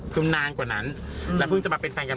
คือนานกว่านั้นแล้วเพิ่งจะมาเป็นแฟนกัน